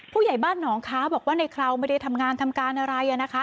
ผู้ใหญ่บ้านหนองค้าบอกว่าในคราวไม่ได้ทำงานทำการอะไรนะคะ